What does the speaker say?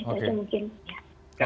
itu mungkin ya